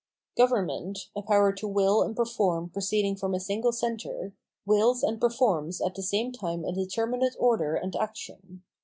Government, a power to wiU and perform proceeding from a single centre, wills and performs at the same time a determinate order and action.